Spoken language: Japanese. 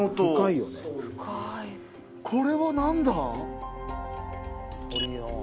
これは何だ？